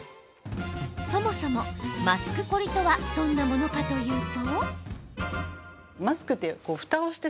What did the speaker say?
そもそも、マスクコリとはどんなものかというと。